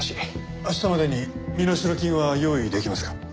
明日までに身代金は用意できますか？